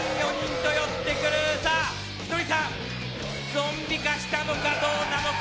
ゾンビ化したのかどうか。